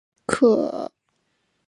可说都非完备的晋史。